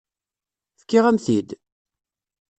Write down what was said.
Fkiɣ-am-t-id?